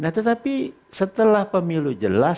nah tetapi setelah pemilu jelas